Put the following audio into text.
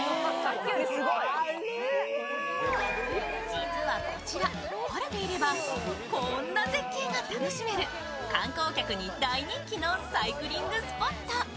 実はこちら、晴れていればこんな絶景が楽しめる観光客に大人気のサイクリングスポット。